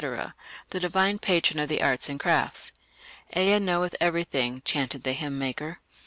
the divine patron of the arts and crafts. "Ea knoweth everything", chanted the hymn maker.